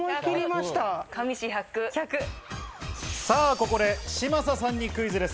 ここで嶋佐さんにクイズです。